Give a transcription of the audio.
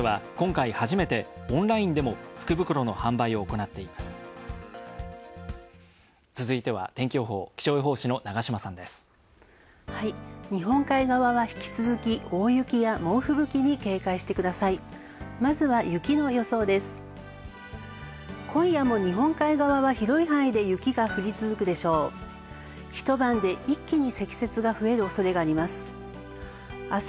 今夜も日本海側の広い範囲で雪が降り続く予想です。